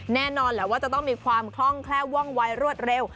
แน่นอนแหละว่าจะต้องมีความคล่องแคล่วว่องวายรวดเร็ว